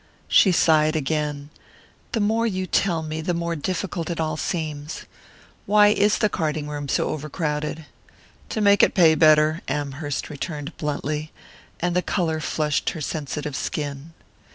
She sighed again. "The more you tell me, the more difficult it all seems. Why is the carding room so over crowded?" "To make it pay better," Amherst returned bluntly; and the colour flushed her sensitive skin.